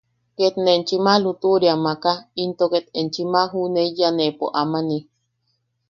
Ket ne enchim a lutuʼuria maka into ket enchim a juʼuneyaneʼepo amani.